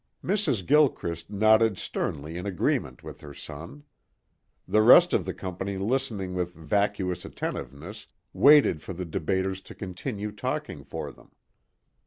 Mrs. Gilchrist nodded sternly in agreement with her son. The rest of the company listening with vacuous attentiveness waited for the debaters to continue talking for them.